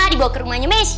dibawa ke rumahnya messi